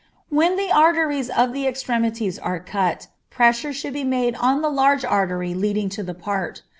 When the arteries of the extremities are cut, pressure should be made on the large artery leading to the part.